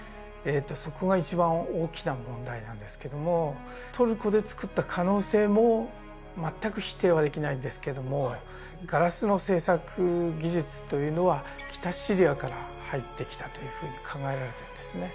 そこが一番大きな問題なんですけどもトルコで作った可能性も全く否定はできないんですけどもガラスの製作技術というのは北シリアから入ってきたというふうに考えられてるんですね